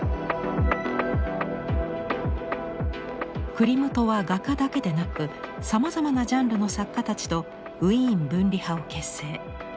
クリムトは画家だけでなくさまざまなジャンルの作家たちとウィーン分離派を結成。